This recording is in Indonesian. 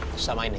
susah main aja